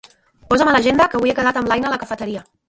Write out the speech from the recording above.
Posa'm a l'agenda que avui he quedat amb l'Aina a la cafeteria.